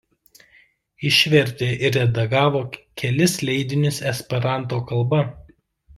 Išvertė ir redagavo kelis leidinius esperanto kalba.